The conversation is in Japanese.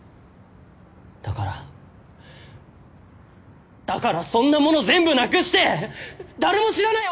だからだからそんなもの全部なくして誰も知らない。